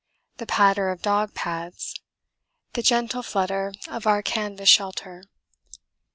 The patter of dog pads. The gentle flutter of our canvas shelter.